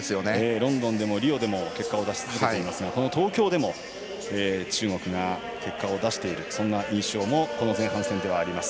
ロンドンでも、リオでも結果を出し続けていますが東京でも中国が結果を出しているそんな印象もこの前半戦ではあります。